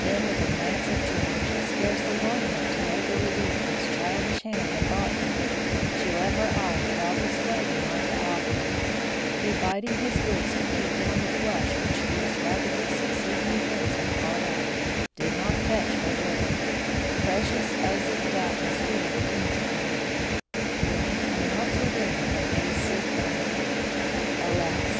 Then with a glance at George, scarcely long enough to note the relief this childish hand had brought him, she let her eye travel slowly on to Alfred, who, biting his lips to keep down the flush which these rapidly succeeding events had called up, did not catch her look, precious as it doubtless would have been to him. Then and not till then did her gaze seek mine. Alas!